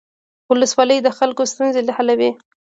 ولسوال د خلکو ستونزې حلوي